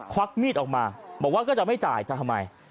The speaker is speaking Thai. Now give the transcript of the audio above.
วักมีดออกมาบอกว่าก็จะไม่จ่ายจะทำไม